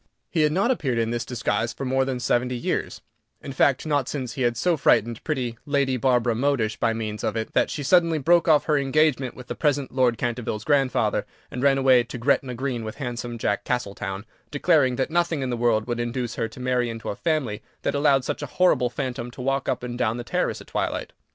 "] He had not appeared in this disguise for more than seventy years; in fact, not since he had so frightened pretty Lady Barbara Modish by means of it, that she suddenly broke off her engagement with the present Lord Canterville's grandfather, and ran away to Gretna Green with handsome Jack Castletown, declaring that nothing in the world would induce her to marry into a family that allowed such a horrible phantom to walk up and down the terrace at twilight.